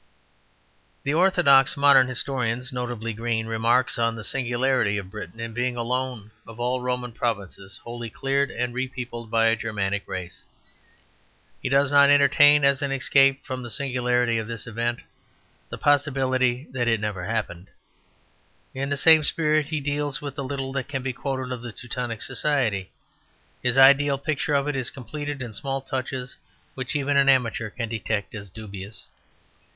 The orthodox modern historian, notably Green, remarks on the singularity of Britain in being alone of all Roman provinces wholly cleared and repeopled by a Germanic race. He does not entertain, as an escape from the singularity of this event, the possibility that it never happened. In the same spirit he deals with the little that can be quoted of the Teutonic society. His ideal picture of it is completed in small touches which even an amateur can detect as dubious.